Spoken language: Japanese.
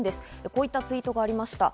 こういったツイートがありました。